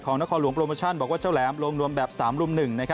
นครหลวงโปรโมชั่นบอกว่าเจ้าแหลมลงนวมแบบ๓รุ่ม๑